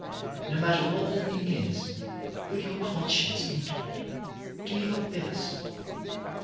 No matter what the thing is, put your conscience into it ; do your best.